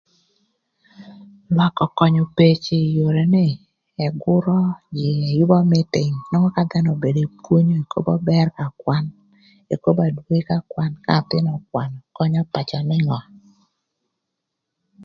Lwak ökönyo peci ï yore nï, ëgürö jïï ëyübö mïting inwongo ka dhanö obedo epwonyo ekobo bër ka kwan, ekobo adwogi ka kwan ka athïn ökwanö könyö pacö ningö.